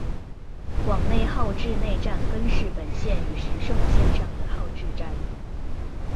广内号志站根室本线与石胜线上的号志站。